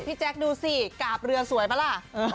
พี่แจ๊คดูสิกาบเรือสวยไหมล่ะ